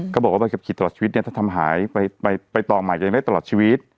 บอกว่าใบขับขี่ตลอดชีวิตเนี่ยถ้าทำหายไปต่อใหม่ตัวเองได้ตลอดชีวิต